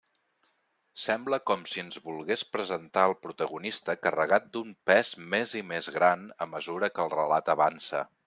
Sembla com si ens volgués presentar el protagonista carregat d'un pes més i més gran a mesura que el relat avança.